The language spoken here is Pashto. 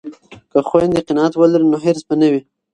که خویندې قناعت ولري نو حرص به نه وي.